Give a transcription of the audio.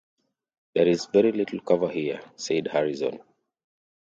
"There's very little cover here," said Harrison.